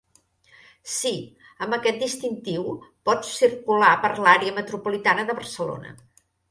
Sí, amb aquest distintiu pot circular per l'àrea metropolitana de Barcelona.